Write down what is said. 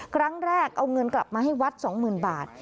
ครั้งแรกเอาเงินกลับมาให้วัด๒๐๐๐บาท